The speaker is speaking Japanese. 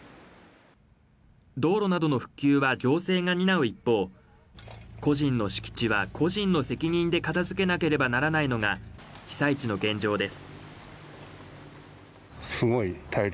道路などの復旧は行政が担う一方、個人の敷地は個人の責任で片づけなければならないのが被災地の現状です。